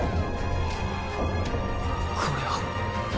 これは。